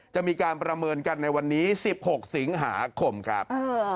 จะมีการประเมินกันในวันนี้๑๖สิงหาคมครับ